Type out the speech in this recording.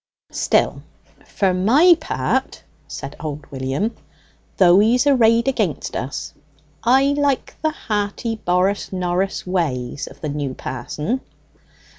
"Still, for my part," said old William, "though he's arrayed against us, I like the hearty borussnorus ways of the new pa'son."